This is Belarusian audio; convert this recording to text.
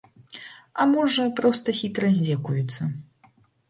А можа, проста хітра здзекуюцца.